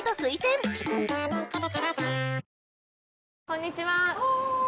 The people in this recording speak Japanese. こんにちは。